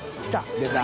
出た。